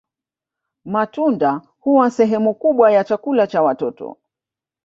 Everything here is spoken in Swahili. Matunda huwa sehemu kubwa ya chakula cha watoto